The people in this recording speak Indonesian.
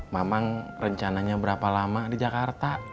memang rencananya berapa lama di jakarta